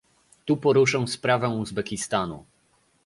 Tu poruszę sprawę Uzbekistanu